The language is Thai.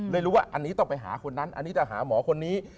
เลยรู้ว่าอันนี้ต้องไปหาคนนั้นอันนี้จะหาหมอคนนี้